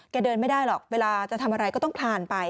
เดินไม่ได้หรอกเวลาจะทำอะไรก็ต้องคลานไป